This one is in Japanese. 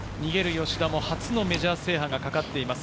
吉田も初のメジャー制覇がかかっています。